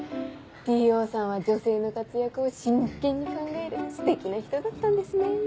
Ｔ・Ｏさんは女性の活躍を真剣に考えるステキな人だったんですね。